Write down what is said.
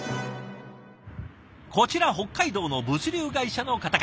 こちら北海道の物流会社の方から。